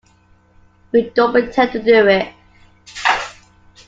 We don't pretend to do it.